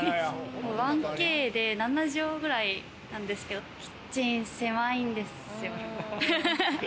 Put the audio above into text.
１Ｋで７帖ぐらいなんですけど、キッチン狭いんですよ。